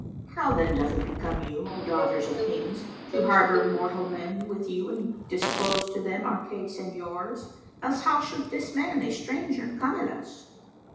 How then doth it become you, O daughters of Kings, to harbour mortal men with you and disclose to them our case and yours? Else how should this man, a stranger, come at us?"